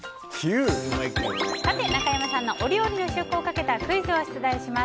中山さんのお料理の試食をかけたクイズを出題します。